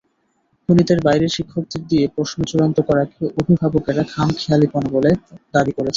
গণিতের বাইরের শিক্ষকদের দিয়ে প্রশ্ন চূড়ান্ত করাকে অভিভাবকেরা খামখেয়ালিপনা বলে দাবি করেছেন।